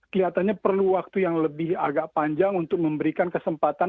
kelihatannya perlu waktu yang lebih agak panjang untuk memberikan kesempatan